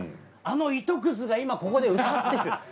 あの糸くずが今ここで歌ってる。